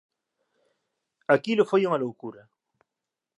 “Aquilo foi unha loucura.